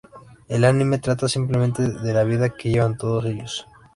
El anime trata, simplemente, de la vida que llevan todos ellos.